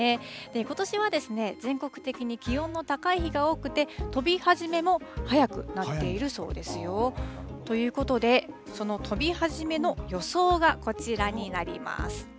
ことしはですね、全国的に気温の高い日が多くて、飛び始めも早くなっているそうですよ。ということで、その飛びはじめの予想がこちらになります。